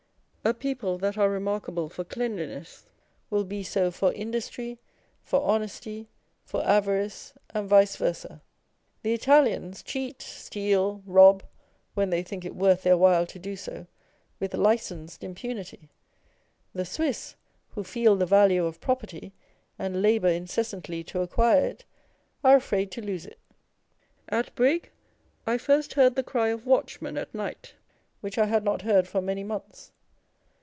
A people that are remarkable for cleanliness, will be so for industry, for honesty, for avarice, and vice versa. The Italians cheat, steal, rob (when they think it worth their while to do so) with licensed impunity : the Swiss, who feel the value of property, and labour incessantly to acquire it, are afraid to lose it. At Brigg I first heard the cry of watchmen at night, which I had not heard for many months.